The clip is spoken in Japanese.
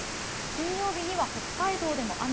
金曜日には北海道でも雨。